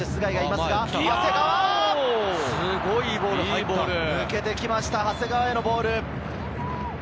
すごい、いいボール入っ抜けてきました、長谷川へのボール。